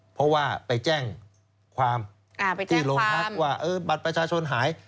เพราะว่าไปแจ้งความที่โรงพักว่าบัตรประชาชนหาย